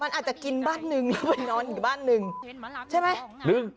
มันอาจจะกินบ้านหนึ่งมันนอนอยู่บ้านหนึ่งใช่ไหม